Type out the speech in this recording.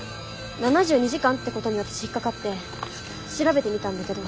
７２時間ってことに私引っ掛かって調べてみたんだけど。